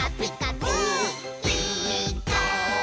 「ピーカーブ！」